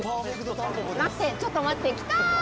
待って、ちょっと待って、来たー！